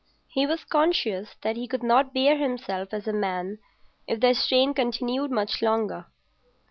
He was conscious that he could not bear himself as a man if the strain continued much longer.